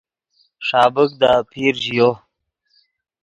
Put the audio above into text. ݰابیک دے آپیر ژیو